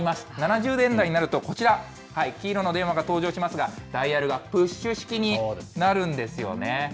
７０年代になるとこちら、黄色の電話が登場しますが、ダイヤルがプッシュ式になるんですよね。